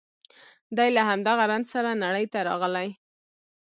دی له همدغه رنځ سره نړۍ ته راغلی